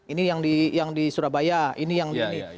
ini yang di surabaya ini yang di sini